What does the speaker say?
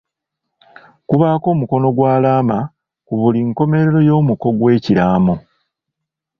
Kubaako omukono gw'alaama ku buli nkomerero y'omuko gw'ekiraamo.